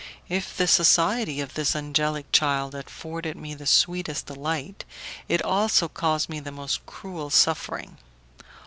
If the society of this angelic child afforded me the sweetest delight, it also caused me the most cruel suffering.